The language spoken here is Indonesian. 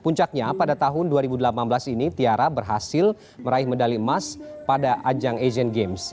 puncaknya pada tahun dua ribu delapan belas ini tiara berhasil meraih medali emas pada ajang asian games